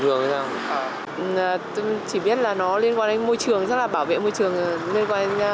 thường thì sao tôi chỉ biết là nó liên quan đến môi trường rất là bảo vệ môi trường liên quan đến